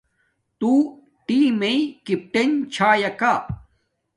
تݸ ٹݵم کݵپٹݵن چھݳئَکݳ؟